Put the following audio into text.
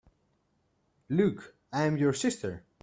Luke, I am your sister!